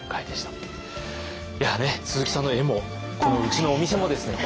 鈴木さんの絵もこのうちのお店もですね